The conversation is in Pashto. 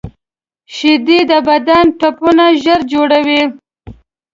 شیدې د بدن ټپونه ژر جوړوي